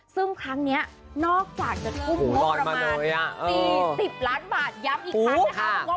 ซึ่งครั้งนี้นอกจากจะทุ่มงบประมาณ๔๐ล้านบาทย้ำอีกครั้งนะคะ